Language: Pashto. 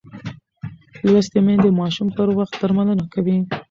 لوستې میندې د ماشوم پر وخت درملنه کوي.